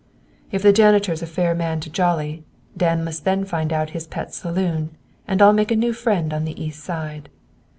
"If the janitor is a fair man to jolly, Dan must then find out his pet saloon, and I'll make a new friend on the East Side.